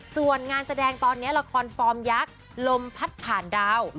ส่วนงานแสดงตอนนี้ละครฟอร์มยักษ์ลมพัดผ่านดาว